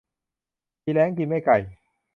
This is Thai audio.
อีแร้งกินแม่ไก่